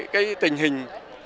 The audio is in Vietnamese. cái tình hình